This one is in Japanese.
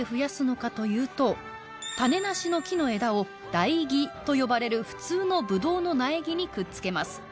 種なしの木の枝を「台木」と呼ばれる普通のぶどうの苗木にくっつけます。